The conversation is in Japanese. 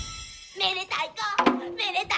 めでたいこ！